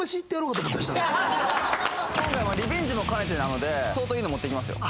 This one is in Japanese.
今回リベンジも兼ねてなので相当いいの持ってきますよ